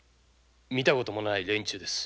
見た事もない連中です。